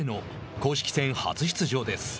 公式戦初出場です。